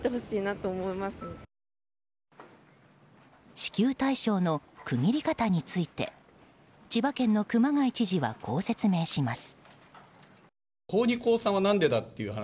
支給対象の区切り方について千葉県の熊谷知事はこう説明します。